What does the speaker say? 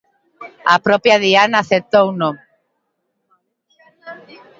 A propia Diana aceptouno.